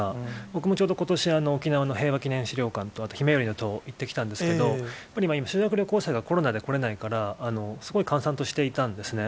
僕もちょうどことし、沖縄の平和祈念資料館と、あとひめゆりの塔、行ってきたんですけど、やっぱり今、修学旅行生がコロナで来れないから、すごい閑散としていたんですね。